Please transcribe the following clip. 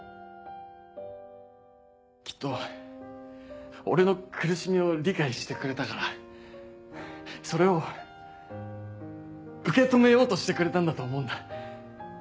きっと俺の苦しみを理解してくれたからそれを受け止めようとしてくれたんだと思うんだ。